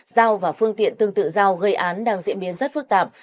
dao và phương tiện tương tự dao gây án đang diễn biến rất phức tạp